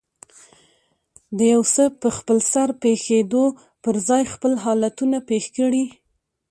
د يو څه په خپلسر پېښېدو پر ځای خپل حالتونه پېښ کړي.